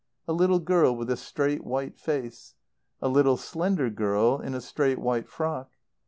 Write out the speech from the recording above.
A little girl with a straight white face. A little, slender girl in a straight white frock.